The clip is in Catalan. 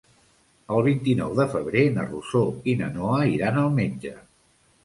El vint-i-nou de febrer na Rosó i na Noa iran al metge.